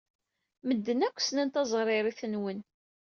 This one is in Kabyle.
Medden akk ssnen taẓririt-nwen.